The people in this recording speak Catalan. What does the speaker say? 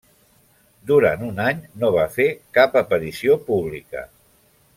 Durant un any no va fer cap aparició pública.